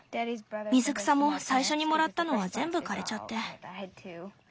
水草も最初にもらったのは全部枯れちゃって。